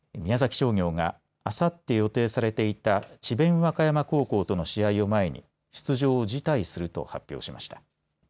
商業が、あさって予定されていた智弁和歌山高校との試合を前に出場を辞退すると発表しました。